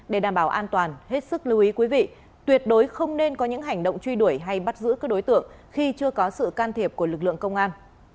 để đảm bảo an toàn hết sức lưu ý quý vị tuyệt đối không nên có những hành động truy đuổi hay bắt giữ các đối tượng khi chưa có sự can thiệp của lực lượng công an